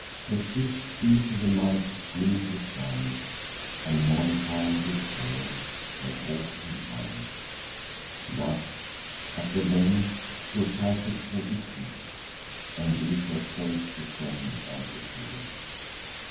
Let gifts be to the mighty queen design'd, And mollify with pray'rs her haughty mind. Thus, at the length, your passage shall be free, And you shall safe descend on Italy.